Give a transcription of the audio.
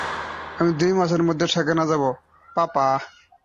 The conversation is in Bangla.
আমি দুই মাসের মধ্যে সেখানে যাব, পাপা।